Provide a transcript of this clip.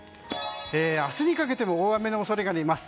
明日にかけても大雨の恐れがあります。